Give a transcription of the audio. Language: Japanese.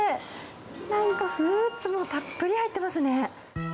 なんかフルーツもたっぷり入ってますね。